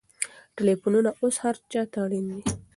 ټلېفونونه اوس هر چا ته اړین دي.